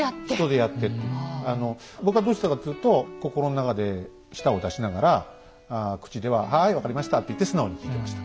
僕はどうしたかっつと心の中で舌を出しながら口では「はい分かりました」って言って素直に聞いてました。